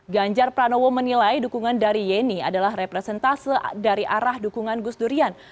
ganjar pranowo menilai dukungan dari yeni adalah representase dari arah dukungan gus durian